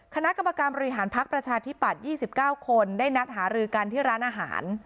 คณะกรรมการบริหารพักประชาธิปัตย์๒๙คนได้นัดหารือกันที่ร้านอาหาร